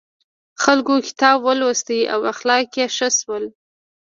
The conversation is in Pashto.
خلکو کتاب ولوست او اخلاق یې ښه شول.